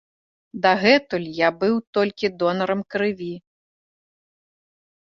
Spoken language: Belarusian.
Дагэтуль я быў толькі донарам крыві.